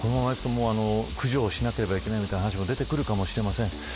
駆除をしなければいけないみたいな話も出てくるかもしれません。